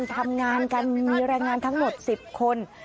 ทำงานกันมีแรงงานทั้งหมด๑๐คน